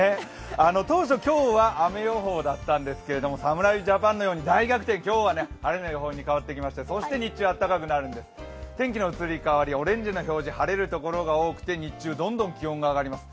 当初、今日は雨予報だったんですが、侍ジャパンのように大逆転今日は晴れの予報に変わってきて、そして日中、あったかくなるんです天気の移り変わり、オレンジの表示、晴れる所が多くて日中どんどん気温が上がります。